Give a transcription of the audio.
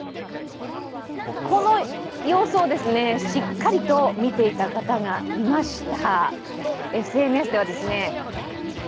この様子をしっかりと見ていた方がいました。